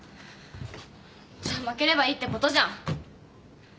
じゃあ負ければいいってことじゃん。